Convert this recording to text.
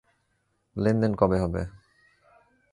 লেনদেন কবে হবে?